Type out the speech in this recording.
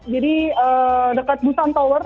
jadi dekat busan tower